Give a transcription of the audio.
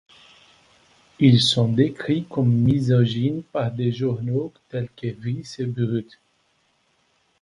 Ils sont décrits comme misogynes par des journaux tels que Vice et Brut.